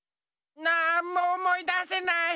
なんもおもいだせない。